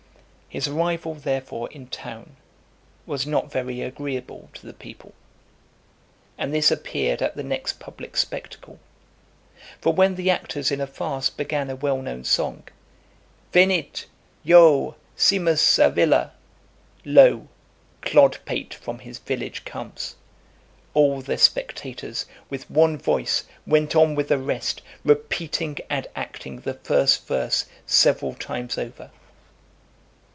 XIII. His arrival, therefore, in town was not very agreeable to the people; and this appeared at the next public spectacle. For when the actors in a farce began a well known song, Venit, io, Simus a villa: Lo! Clodpate from his village comes; all the spectators, with one voice, went on with the rest, repeating and acting the first verse several times over.